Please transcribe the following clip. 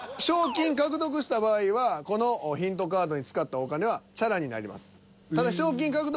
賞金獲得した場合はこのヒントカードに使ったお金はチャラになります。